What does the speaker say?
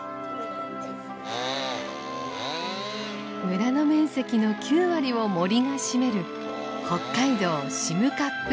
村の面積の９割を森が占める北海道占冠村。